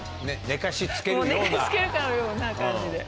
寝かしつけるかのような感じで。